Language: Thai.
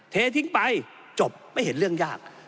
เททิ้งไปจบไม่เห็นเรื่องยาก